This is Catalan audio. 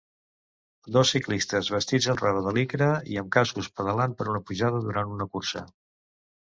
dos ciclistes vestits amb roba de licra i amb cascos pedalant per una pujada durant una cursa.